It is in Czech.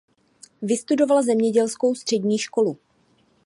Vystudovala zemědělskou střední školu.